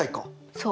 そう。